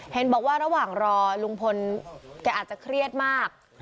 เห็นบอกว่าระหว่างรอลุงพลแกอาจจะเครียดมาก